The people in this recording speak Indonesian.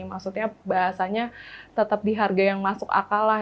maksudnya bahasanya tetap di harga yang masuk akal lah